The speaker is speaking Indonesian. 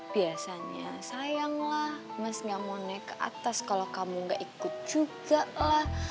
biasanya sayanglah mas gak mau naik ke atas kalau kamu gak ikut juga lah